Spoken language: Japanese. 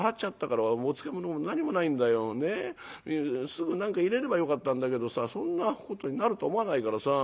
すぐ何か入れればよかったんだけどさそんなことになると思わないからさ。